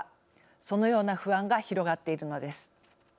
そのような不安が広がっているのです。